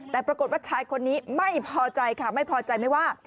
แต่ปรากฏว่าชายคนนี้ไม่พอใจค่ะไม่พอใจไม่ว่า